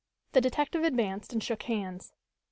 The detective advanced and shook hands.